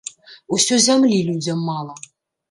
Усё зямлі людзям мала.